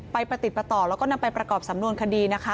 ประติดประต่อแล้วก็นำไปประกอบสำนวนคดีนะคะ